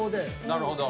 なるほど。